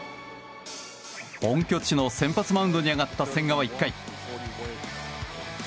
本拠地の先発マウンドに上がった千賀は１回。